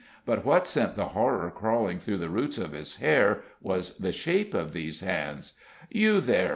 But what sent the horror crawling through the roots of his hair was the shape of these hands. "You there!"